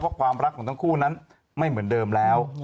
เพราะความรักของทั้งคู่นั้นไม่เหมือนเดิมแล้ว